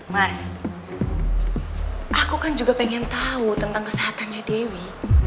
mas aku kan juga pengen tahu tentang kesehatannya dewi